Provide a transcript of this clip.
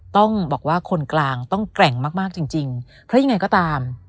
ต้องบอกว่าคนกลางต้องแกร่งมากจริงเพราะยังไงก็ตาม